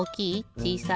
ちいさい？